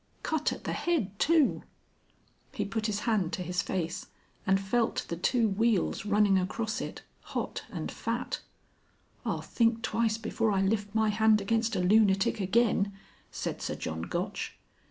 "Cut at the head, too!" He put his hand to his face and felt the two weals running across it, hot and fat. "I'll think twice before I lift my hand against a lunatic again," said Sir John Gotch.